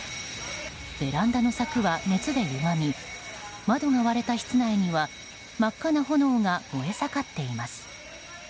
ベランダの柵は熱でゆがみ窓が割れた室内には真っ赤な炎が燃え盛っています。